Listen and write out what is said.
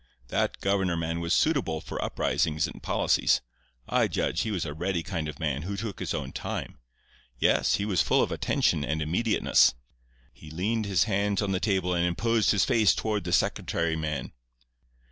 "That governor man was suitable for uprisings and policies. I judge he was a ready kind of man, who took his own time. Yes, he was full of attention and immediateness. He leaned his hands on the table and imposed his face toward the secretary man.